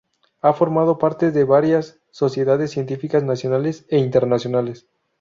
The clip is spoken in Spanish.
Ha formado parte de varias sociedades científicas nacionales e internacionales.